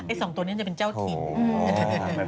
ไอ้สองตัวนี้จะเป็นเจ้าขีบ